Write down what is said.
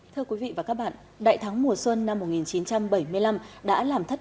thưa quý vị và các bạn đại tháng mùa xuân năm một nghìn chín trăm bảy mươi năm